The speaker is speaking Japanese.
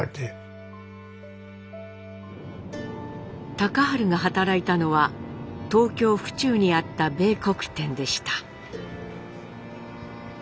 隆治が働いたのは東京府中にあった米穀店でした。